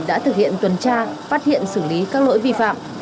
đã thực hiện tuần tra phát hiện xử lý các lỗi vi phạm